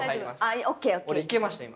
俺いけました今。